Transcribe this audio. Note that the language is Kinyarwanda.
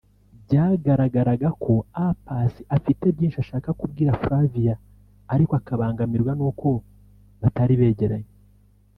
Byagaragaraga ko A Pass afite byinshi ashaka kubwira Flavia ariko akabangamirwa n’uko batari begeranye